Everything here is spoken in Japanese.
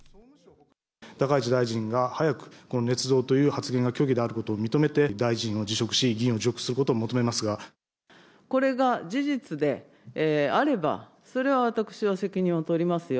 高市大臣が早くねつ造という発言が虚偽であることを認めて、大臣を辞職し、これが事実であれば、それは私は責任を取りますよ。